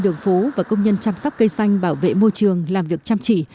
đường phố và công nhân chăm sóc cây xanh bảo vệ môi trường làm việc chăm chỉ